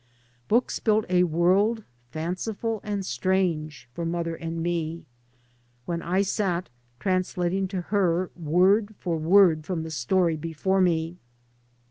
Books built a world, fanciful and strange, for mother and me, when I sat, translating to her word for word from the story before me.